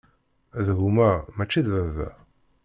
D gma, mačči d baba.